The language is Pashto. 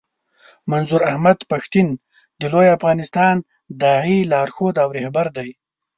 منظور احمد پښتين د لوی افغانستان د داعیې لارښود او رهبر دی.